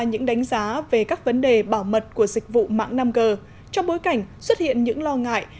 những đánh giá về các vấn đề bảo mật của dịch vụ mạng năm g trong bối cảnh xuất hiện những lo ngại